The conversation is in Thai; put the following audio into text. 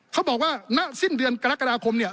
เขาบอกว่าณสิ้นเดือนกรกฎาคมเนี่ย